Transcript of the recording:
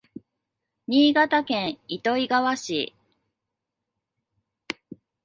新潟県糸魚川市